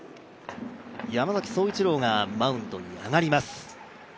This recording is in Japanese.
山崎颯一郎がマウンドに上がります。